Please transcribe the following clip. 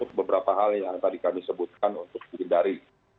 untuk beberapa hal yang tadi kami sebutkan untuk dihindari